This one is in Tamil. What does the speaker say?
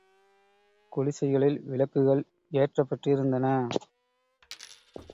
குடிசைகளில் விளக்குகள் ஏற்றப்பெற்றிருந்தன.